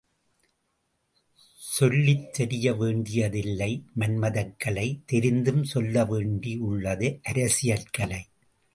சொல்லித் தெரிய வேண்டியது இல்லை மன்மதக் கலை தெரிந்தும் சொல்லவேண்டி உள்ளது அரசியல் கலை.